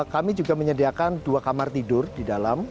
kami juga menyediakan dua kamar tidur di dalam